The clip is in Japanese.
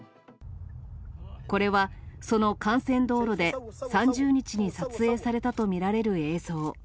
これはその幹線道路で、３０日に撮影されたと見られる映像。